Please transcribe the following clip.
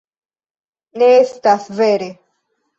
Ne, estas vere